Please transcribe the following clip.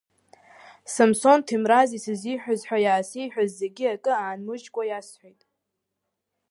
Самсон Ҭемраз исызиаҳә ҳәа иаасеиҳәаз зегьы акы аанмыжькәа иасҳәеит.